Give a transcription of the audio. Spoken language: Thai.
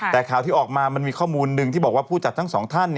แต่ข่าวที่ออกมามันมีข้อมูลหนึ่งที่บอกว่าผู้จัดทั้งสองท่าน